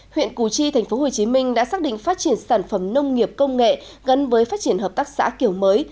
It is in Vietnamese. huyện củ chi tp hcm đã xác định phát triển sản phẩm nông nghiệp công nghệ gắn với phát triển hợp tác xã kiểu mới